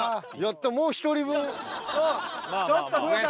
ちょっと増えた。